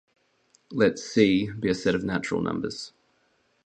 Let "C" be a set of natural numbers.